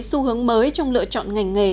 xu hướng mới trong lựa chọn ngành nghề